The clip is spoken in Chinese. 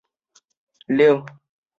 目前仅餐饮管理科纳入编列。